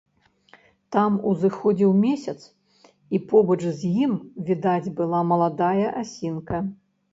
Там узыходзіў месяц, і побач з ім відаць была маладая асінка.